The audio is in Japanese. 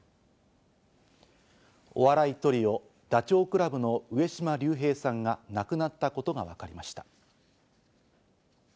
お笑いトリオ、ダチョウ倶楽部の上島竜兵さんが亡くなったことがわかりました。